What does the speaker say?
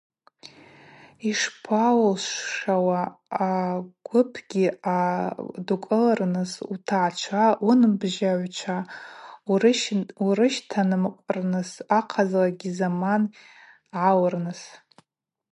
Йшпауылшауа агвыпгьи адукӏылырныс, утгӏачва, уынбжьагӏвчва урыщтаныкъварныс ахъазлагьи заман гӏауауырныс?